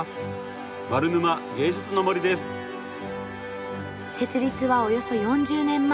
設立はおよそ４０年前。